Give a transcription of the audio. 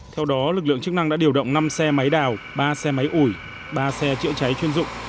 theo đó lực lượng chức năng đã điều động năm xe máy đào ba xe máy ủi ba xe chữa cháy chuyên dụng